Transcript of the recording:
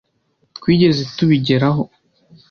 twigeze tubigeraho.